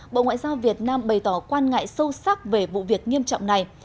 bộ ngoại giao việt nam bày tỏ quan ngại sâu sắc về vụ việc nghiêm trọng này